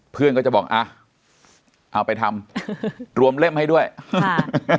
เพื่อนก็จะบอกอ่ะเอาไปทำรวมเล่มให้ด้วยค่ะ